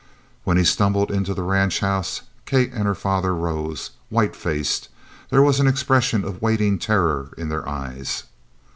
When he stumbled into the ranch house, Kate and her father rose, white faced. There was an expression of waiting terror in their eyes.